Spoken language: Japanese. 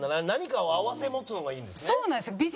何かを併せ持つのがいいんですね。